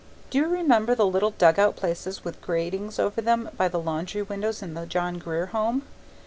Do you remember the little dugout places with gratings over them by the laundry windows in the John Grier Home?